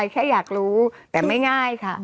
แค่อยากรู้แต่ไม่ง่ายค่ะ